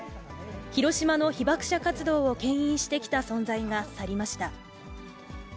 広島の被爆者活動をけん引してきた存在が去りました。